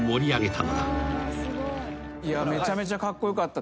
めちゃめちゃカッコ良かった。